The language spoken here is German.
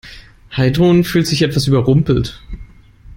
Heidrun fühlt sich etwas überrumpelt.